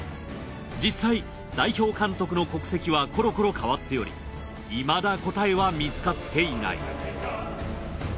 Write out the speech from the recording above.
実際代表監督の国籍はコロコロ変わっておりいまだ答えは見つかっていない。